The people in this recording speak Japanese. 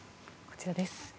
こちらです。